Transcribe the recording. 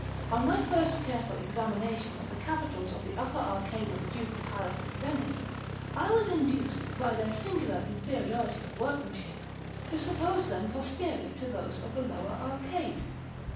On my first careful examination of the capitals of the upper arcade of the Ducal Palace at Venice, I was induced, by their singular inferiority of workmanship, to suppose them posterior to those of the lower arcade.